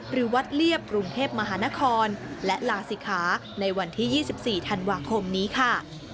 หรือวัดเลียบกรุงเทพมหานครและลาศิขาในวันที่๒๔ธันวาคมนี้ค่ะ